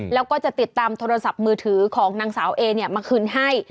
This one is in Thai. แล้วก็จะติดตามโทรศัพท์มือถือของนางสาวเอเนี่ยมาคืนให้